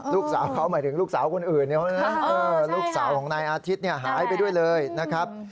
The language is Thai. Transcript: ลูกสาวเขาหมายถึงลูกสาวคนอื่นเขานะลูกสาวของนายอาทิตย์หายไปด้วยเลยนะครับ